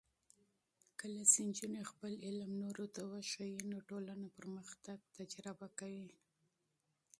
کله چې نجونې خپل علم نورو ته وښيي، نو ټولنه پرمختګ تجربه کوي.